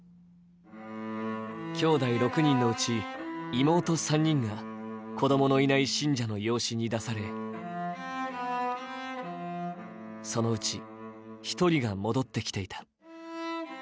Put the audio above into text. きょうだい６人のうち妹３人が子供のいない信者の養子に出され、そのうち１人が戻ってきていた。